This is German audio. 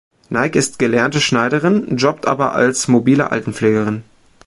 Nike ist gelernte Schneiderin, jobbt aber als mobile Altenpflegerin.